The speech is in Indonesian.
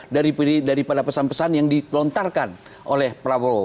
daripada pesan pesan yang dilontarkan oleh prabowo